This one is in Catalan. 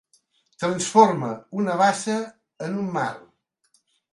Transforma una bassa en un mar.